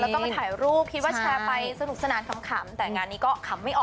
แล้วก็มาถ่ายรูปคิดว่าแชร์ไปสนุกสนานขำแต่งานนี้ก็ขำไม่ออก